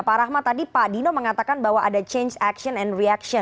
pak rahmat tadi pak dino mengatakan bahwa ada change action and reaction